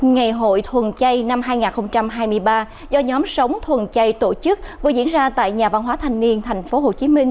ngày hội thuần chay năm hai nghìn hai mươi ba do nhóm sống thuần chay tổ chức vừa diễn ra tại nhà văn hóa thanh niên tp hcm